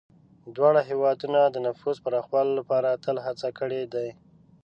دواړه هېوادونه د نفوذ پراخولو لپاره تل هڅې کړي دي.